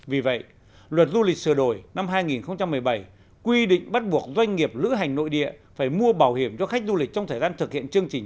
vì vậy luật du lịch sửa đổi năm hai nghìn một mươi bảy quy định bắt buộc doanh nghiệp lữ hành nội địa phải mua bảo hiểm cho khách du lịch trong thời gian thực hiện chương trình